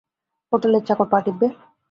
হোটেলের চাকর পা টিপবে?